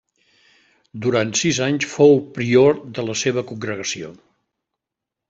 Durant sis anys fou prior de la seva congregació.